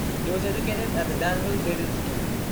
He was educated at the Danville Graded School.